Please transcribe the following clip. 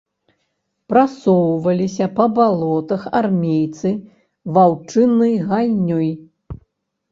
Прасоўваліся па балотах армейцы ваўчынай гайнёй.